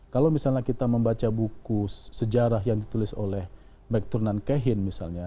kalau misalnya kita membaca buku sejarah yang ditulis oleh mekturnan kehin misalnya